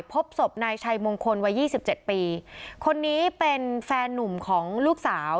พบศพนายชัยมงคลวัยยี่สิบเจ็ดปีคนนี้เป็นแฟนนุ่มของลูกสาว